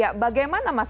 ya bagaimana mas